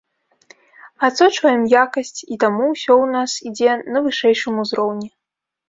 Адсочваем якасць, і таму ўсё у нас ідзе на вышэйшым узроўні.